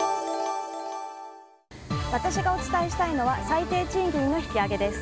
私がお伝えしたいのは最低賃金の引き上げです。